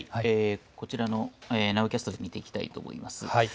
こちらのナウキャストで見ていきたいと思います。